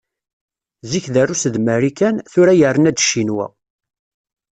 Zik d Rrus d Marikan, tura yerna-d Ccinwa.